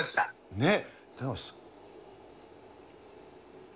ねっ。